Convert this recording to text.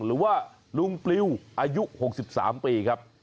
หรือว่าลุงปลิวอายุ๖๓ปีครับ